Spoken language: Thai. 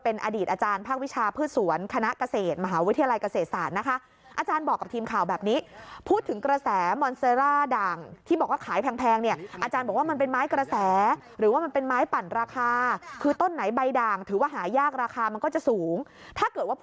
เป็นอดีตอาจารย์ภาควิชาพืชสวนคณะเกษตรมหาวิทยาลัยเกษตรศาสตร์นะคะ